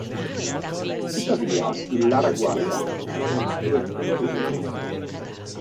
Tuttavia il l'Araguaia non è un affluente del Rio delle Amazzoni.